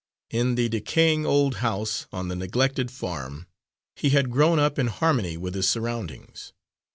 In the decaying old house, on the neglected farm, he had grown up in harmony with his surroundings.